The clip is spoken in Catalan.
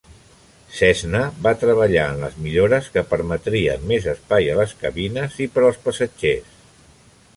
Cessna va treballar en les millores que permetrien més espai a les cabines i per als passatgers.